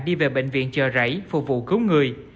đi về bệnh viện chờ rảy phục vụ cứu người